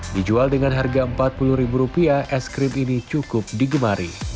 dijual dengan harga rp empat puluh es krim ini cukup digemari